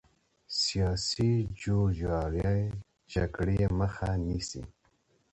سیاسي جوړجاړی جګړې مخه نیسي